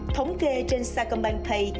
thống kê trên sacombank pay